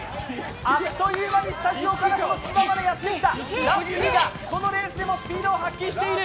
あっという間に、スタジオからこの千葉までやってきたラッピーがこのレースでもスピードを発揮している！